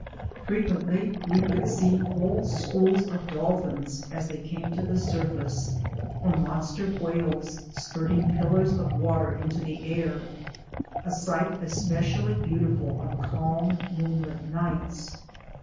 Frequently we could see whole schools of dolphins as they came to the surface, or monster whales spurting pillars of water into the air, a sight especially beautiful on calm moonlit nights.